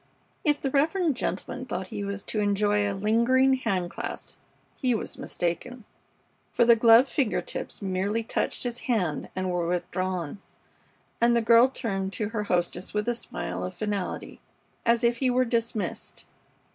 If the reverend gentleman thought he was to enjoy a lingering hand clasp he was mistaken, for the gloved finger tips merely touched his hand and were withdrawn, and the girl turned to her hostess with a smile of finality as if he were dismissed.